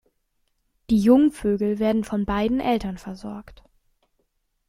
Die Jungvögel werden von beiden Eltern versorgt.